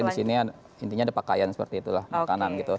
di sini intinya ada pakaian seperti itulah makanan gitu